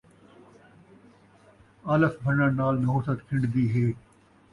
آلس بھنݨ نال نحوست کھنڈدی ہے